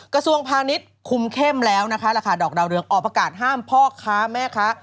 กระทรวงพาณิชย์คุมเข้มแล้วนะคะราคาดอกดาวเรืองออกประกาศห้ามพ่อค้าแม่ค้า